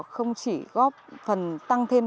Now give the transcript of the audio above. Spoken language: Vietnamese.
không chỉ góp phần tăng thêm